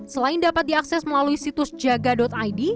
selain dapat diakses melalui situs jaga id